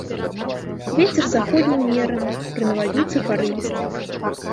Вецер заходні ўмераны, пры навальніцы парывісты.